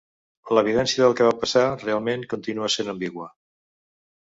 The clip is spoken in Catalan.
L'evidència del que va passar realment continua sent ambigua.